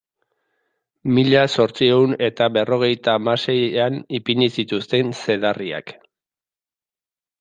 Mila zortziehun eta berrogeita hamaseian ipini zituzten zedarriak.